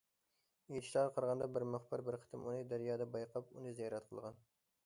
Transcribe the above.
ئېيتىشلارغا قارىغاندا: بىر مۇخبىر بىر قېتىم ئۇنى دەريادا بايقاپ، ئۇنى زىيارەت قىلغان.